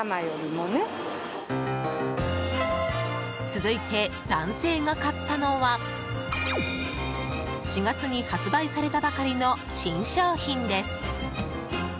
続いて男性が買ったのは４月に発売されたばかりの新商品です。